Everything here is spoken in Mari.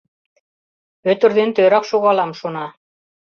«Пӧтыр ден тӧрак шогалам!» шона.